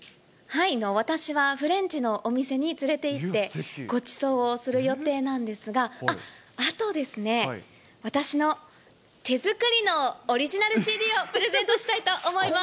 私はフレンチのお店に連れていって、ごちそうをする予定なんですが、あっ、あとですね、私の手作りのオリジナルＣＤをプレゼントしたいと思います。